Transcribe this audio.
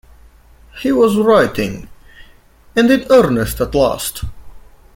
He was writing — and in earnest at last.